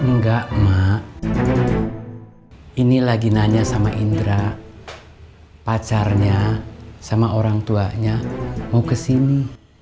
enggak mak ini lagi nanya sama indra pacarnya sama orang tuanya mau kesini